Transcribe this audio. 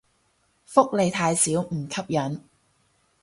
福利太少唔吸引